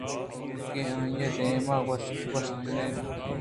کہ آئی ءَ دائم گوٛشتگ اَت